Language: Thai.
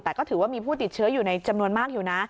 แต่ก็ถือว่ามีผู้ติดเชื้ออยู่ในจำนวนมากอยู่นะ